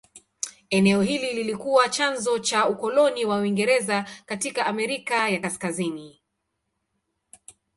Eneo hili lilikuwa chanzo cha ukoloni wa Uingereza katika Amerika ya Kaskazini.